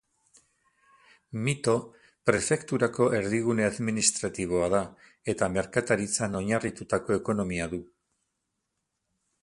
Mito prefekturako erdigune administratiboa da eta merkataritzan oinarritutako ekonomia du.